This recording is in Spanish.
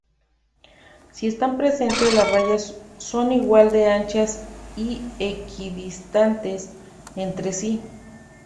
Si están presentes, las rayas son igual de anchas y equidistantes entre sí.